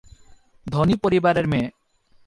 ধনী পরিবারের মেয়ে।